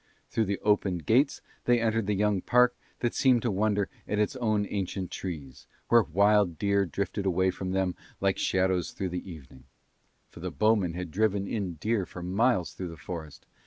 Through the opened gates they entered the young park that seemed to wonder at its own ancient trees, where wild deer drifted away from them like shadows through the evening: for the bowmen had driven in deer for miles through the forest.